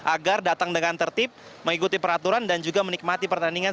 agar datang dengan tertib mengikuti peraturan dan juga menikmati pertandingan